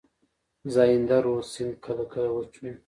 زاینده رود سیند کله کله وچ وي.